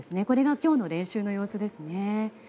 これが今日の練習の様子ですね。